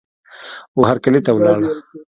وهرکلې ته ولاړ